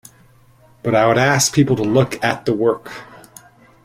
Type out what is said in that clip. But I would ask people to look at the work.